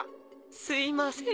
すいません。